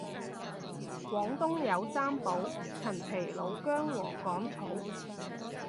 廣東有三寶陳皮老薑禾桿草